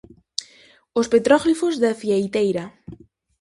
Os petróglifos da fieiteira.